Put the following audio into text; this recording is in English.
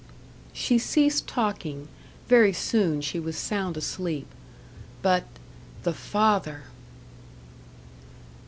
She ceased talking very soon she was sound asleep. But the father!